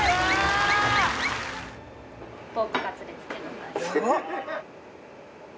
ポークカツレツでございますヤバッ！